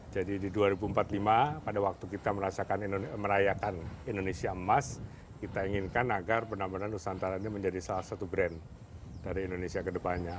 jadi di dua ribu empat puluh lima pada waktu kita merayakan indonesia emas kita inginkan agar benar benar nusantara ini menjadi salah satu brand dari indonesia kedepannya